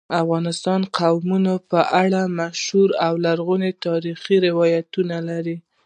افغانستان د قومونه په اړه مشهور او لرغوني تاریخی روایتونه لري.